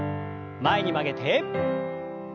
前に曲げて。